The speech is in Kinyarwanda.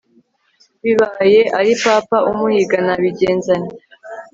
bibaye ari papa umuhiga nabigenza nte